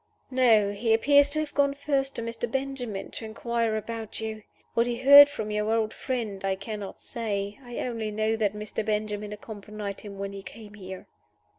"No. He appears to have gone first to Mr. Benjamin to inquire about you. What he heard from your old friend I cannot say. I only know that Mr. Benjamin accompanied him when he came here."